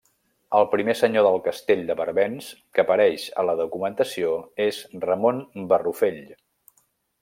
El primer senyor del castell de Barbens que apareix a la documentació és Ramon Barrufell.